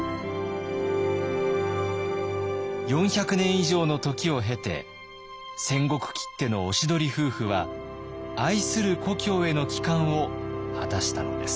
４００年以上の時を経て戦国きってのおしどり夫婦は愛する故郷への帰還を果たしたのです。